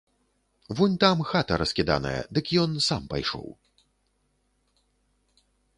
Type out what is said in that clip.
Вунь там хата раскіданая, дык ён сам пайшоў.